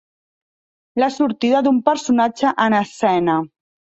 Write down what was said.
La sortida d'un personatge en escena.